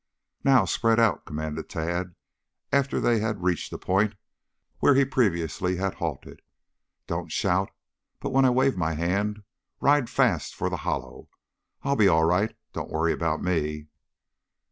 "Now spread out," commanded Tad after they had reached the point where he previously had halted. "Don't shout, but when I wave my hand, ride fast for the hollow. I'll be all right; don't worry about me."